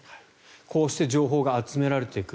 こうして情報が集められてくる。